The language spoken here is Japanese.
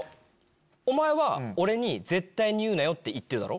お前は俺に「絶対に言うなよ」って言ってるだろ。